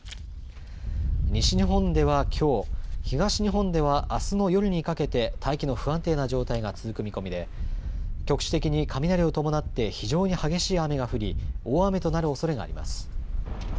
西日本ではきょう、東日本ではあすの夜にかけて大気の不安定な状態が続く見込みで局地的に雷を伴って非常に激しい雨が降り大雨となるおそれがあります。